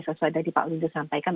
sesuai dari pak uri disampaikan